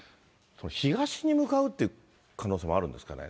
東に向かうっていう可能性もあるんですかね。